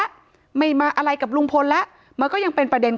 ถ้าใครอยากรู้ว่าลุงพลมีโปรแกรมทำอะไรที่ไหนยังไง